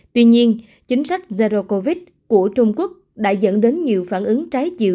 tuy nhiên chính sách zero covid của trung quốc đã dẫn đến nhiều phản ứng trái chịu